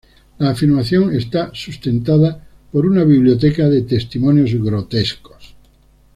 La afirmación está sustentada por una biblioteca de testimonios grotescos.